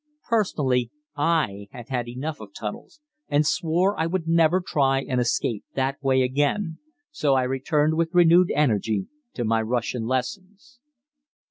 Personally I had had enough of tunnels, and swore I would never try and escape that way again, so I returned with renewed energy to my Russian lessons.